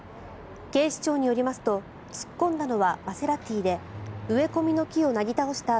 警視庁によりますと突っ込んだのはマセラティで植え込みの木をなぎ倒した